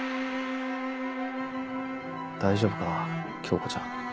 大丈夫かな恭子ちゃん。